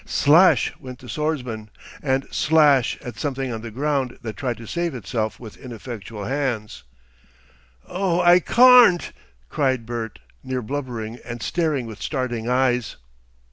Slash went the swordsman and slash at something on the ground that tried to save itself with ineffectual hands. "Oh, I carn't!" cried Bert, near blubbering, and staring with starting eyes.